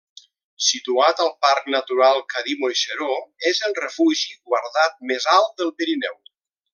Situat al parc natural Cadí-Moixeró, és el refugi guardat més alt del Pirineu.